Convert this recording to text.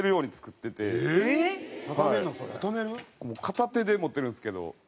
片手で持てるんですけど。